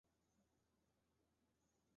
大致与朝鲜半岛南部海岸线平行。